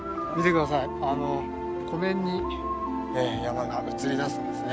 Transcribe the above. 湖面に山が映り出すんですね。